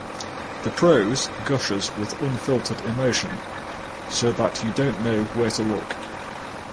The prose gushes with unfiltered emotion so that you don’t know where to look.